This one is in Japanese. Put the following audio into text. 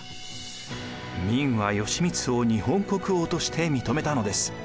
明は義満を日本国王として認めたのです。